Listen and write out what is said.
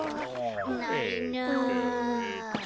ないな。